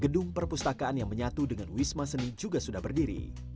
gedung perpustakaan yang menyatu dengan wisma seni juga sudah berdiri